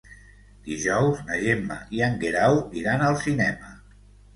Dijous na Gemma i en Guerau iran al cinema.